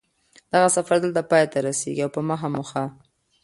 دغه سفر دلته پای ته رسېږي او په مخه مو ښه